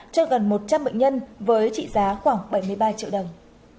cho gần một trăm linh bệnh nhân với trị giá khoảng bảy mươi ba triệu đồng